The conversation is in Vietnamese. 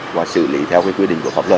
và xử lý theo quy định của pháp luật